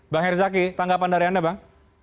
bang herzaki tanggapan dari anda bang